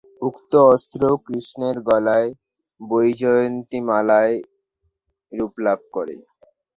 উক্ত অস্ত্র কৃষ্ণের গলায় বৈজয়ন্তীমালায় রূপ লাভ করে।